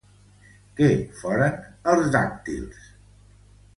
Què foren els dàctils?